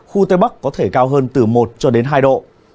khu tây bắc có thể cao hơn từ một hai độ